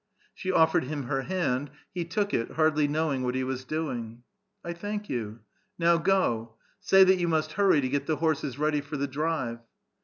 *' She offered him her hand ; he took it, hardly knowing what he was doing. '• I thank you. Now go. Say that you must hurrj* to get the horses ready for the drive."